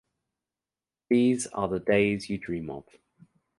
These are the days you dream of.